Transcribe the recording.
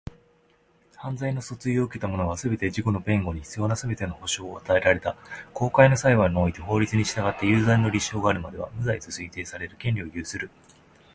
犯罪の訴追を受けた者は、すべて、自己の弁護に必要なすべての保障を与えられた公開の裁判において法律に従って有罪の立証があるまでは、無罪と推定される権利を有する。